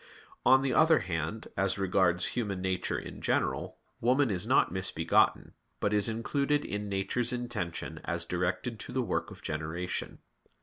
On the other hand, as regards human nature in general, woman is not misbegotten, but is included in nature's intention as directed to the work of generation.